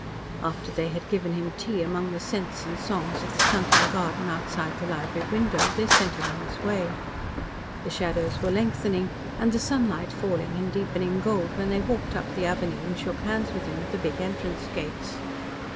After they had given him tea among the scents and songs of the sunken garden outside the library window, they set him on his way. The shadows were lengthening and the sunlight falling in deepening gold when they walked up the avenue and shook hands with him at the big entrance gates.